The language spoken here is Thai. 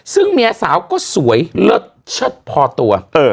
ซึ่งเมียสาวก็สวยเลิศเชิดพอตัว